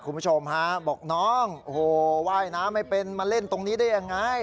คุณผู้ชมฮะบอกน้องโอ้โหว่ายน้ำไม่เป็นมาเล่นตรงนี้ได้ยังไง